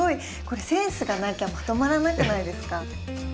これセンスがなきゃまとまらなくないですか？